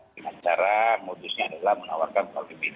dan secara modusnya adalah menawarkan polibid